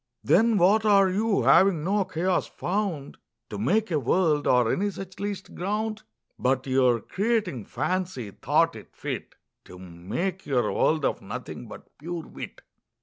Then what are You, having no Chaos found To make a World, or any such least ground? But your Creating Fancy, thought it fit To make your World of Nothing, but pure Wit.